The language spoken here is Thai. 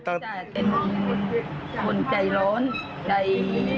แต่เป็นคนใจโรนใจ